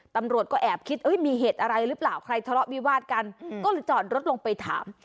ตำรวจก็แอบคิดมีเหตุอะไรหรือเปล่าใครทะเลาะวิวาดกันก็เลยจอดรถลงไปถาม